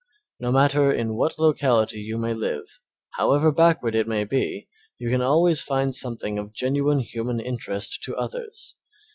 No matter in what locality you may live, however backward it may be, you can always find something of genuine human interest to others.